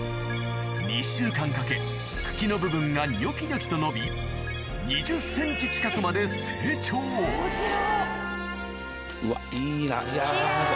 ２週間かけ茎の部分がニョキニョキと伸び２０ｃｍ近くまで成長うわいいないや。